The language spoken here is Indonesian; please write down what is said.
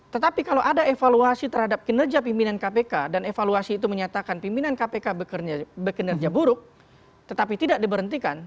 tetapi kalau ada evaluasi terhadap kinerja pimpinan kpk dan evaluasi itu menyatakan pimpinan kpk bekerja buruk tetapi tidak diberhentikan